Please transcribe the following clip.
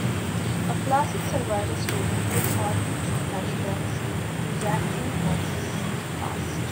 A classic survival story, told partly through flashbacks to Zachary Bass's past.